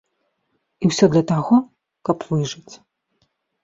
І ўсё для таго, каб выжыць.